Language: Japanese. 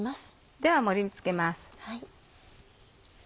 では盛り付けます。